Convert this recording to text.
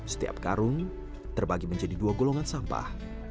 setiap karung terbagi menjadi dua golongan sampah